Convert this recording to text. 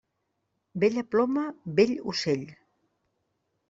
Bella ploma, bell ocell.